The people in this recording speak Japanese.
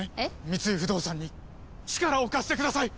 三井不動産に力を貸してください！